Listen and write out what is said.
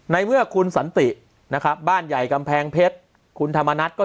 ในเมื่อคุณสันตินะครับบ้านใหญ่กำแพงเพชรคุณธรรมนัฐก็